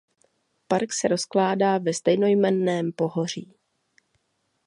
Park se rozkládá ve stejnojmenném pohoří.